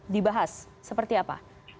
dibahas seperti apa